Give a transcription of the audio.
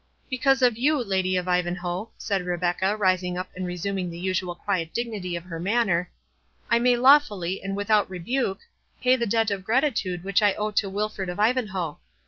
"Because to you, Lady of Ivanhoe," said Rebecca, rising up and resuming the usual quiet dignity of her manner, "I may lawfully, and without rebuke, pay the debt of gratitude which I owe to Wilfred of Ivanhoe.